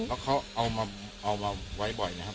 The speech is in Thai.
แล้วเขาเอามาไว้บ่อยนะครับ